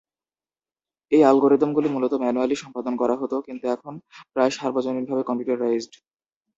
এই অ্যালগরিদমগুলি মূলত ম্যানুয়ালি সম্পাদন করা হত কিন্তু এখন প্রায় সর্বজনীনভাবে কম্পিউটারাইজড।